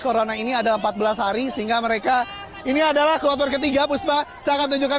corona ini adalah empat belas hari sehingga mereka ini adalah kloter ketiga puspa saya akan tunjukkan